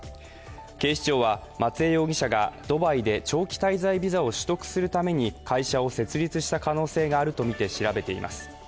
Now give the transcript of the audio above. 警視庁は松江容疑者がドバイで、長期滞在ビザを取得するために、会社を設立した可能性があるとみて調べています。